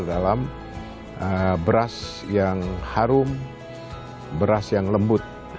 dalam beras yang harum beras yang lembut